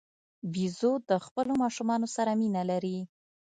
بیزو د خپلو ماشومانو سره مینه لري.